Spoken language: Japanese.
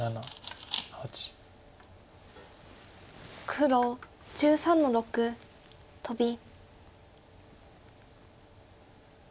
黒１３の六トビ。